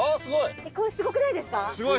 すごくないですか？